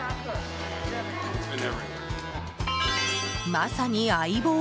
まさに相棒！